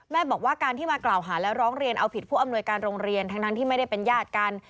บอกว่าการที่มากล่าวหาและร้องเรียนเอาผิดผู้อำนวยการโรงเรียนทั้งที่ไม่ได้เป็นญาติกัน